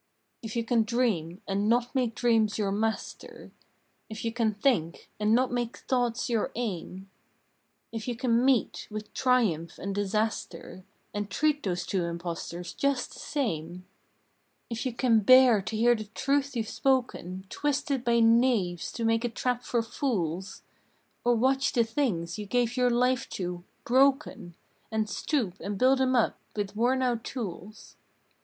If you can dream and not make dreams your master ; If you can think and not make thoughts your aim ; If you can meet with Triumph and Disaster And treat those two impostors just the same ; If you can bear to hear the truth you've spoken Twisted by knaves to make a trap for fools, Or watch the things you gave your life to broken, And stoop and build 'em up with worn out tools.